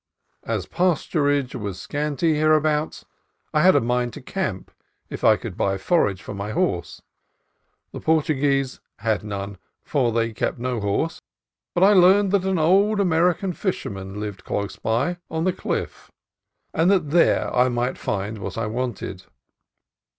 As pasturage was scanty hereabouts, I had a mind to camp if I could buy forage for my horse. The Portuguese had none, for they kept no horse, but I learned that an old American fisherman lived close by, on the cliff, and that there I might find what I wanted.